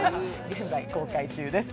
現在、公開中です。